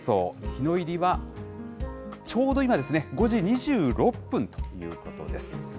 日の入りは、ちょうど今ですね、５時２６分ということです。